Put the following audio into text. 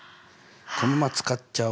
このまま使っちゃお。